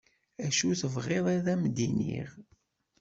Acu tebɣiḍ ad am-d-iniɣ?